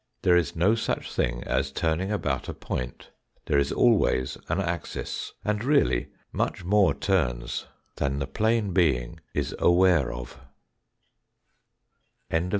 There is no such thing as turning about a point, there is always an axis, and really much more turns than the plane being is aware of.